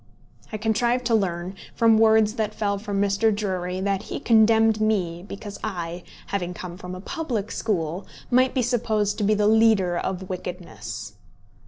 I contrived to learn, from words that fell from Mr. Drury, that he condemned me because I, having come from a public school, might be supposed to be the leader of wickedness!